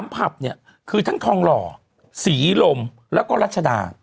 ผับเนี่ยคือทั้งทองหล่อศรีลมแล้วก็รัชดา